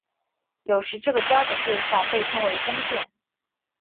有时这个标准对像被称为工件。